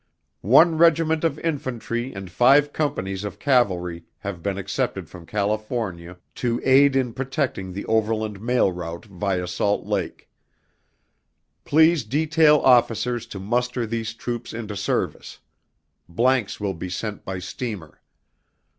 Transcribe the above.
One regiment of infantry and five companies of cavalry have been accepted from California to aid in protecting the overland mail route via Salt Lake. Please detail officers to muster these troops into service. Blanks will be sent by steamer.